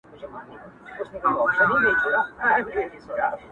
نو گراني ته چي زما قدم باندي.